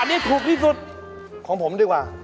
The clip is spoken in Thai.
อันนี้ถูกที่สุดของผมดีกว่า